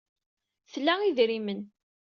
Tla idrimen.